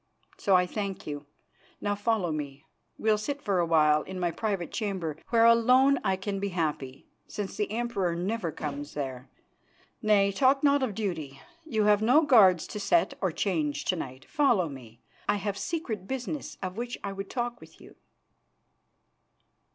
So, I thank you. Now follow me. We'll sit a while in my private chamber, where alone I can be happy, since the Emperor never comes there. Nay, talk not of duty; you have no guards to set or change to night. Follow me; I have secret business of which I would talk with you."